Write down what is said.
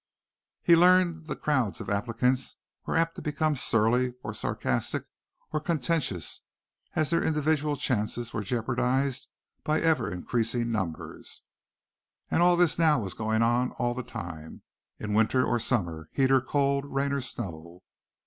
He learned that the crowds of applicants were apt to become surly or sarcastic or contentious as their individual chances were jeopardized by ever increasing numbers. And all this was going on all the time, in winter or summer, heat or cold, rain or snow.